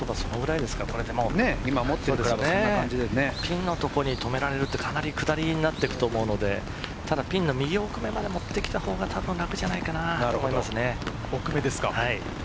ピンのところに止められて、かなり下りになっていくと思うので、右奥までもってきたほうが楽じゃないかと思います。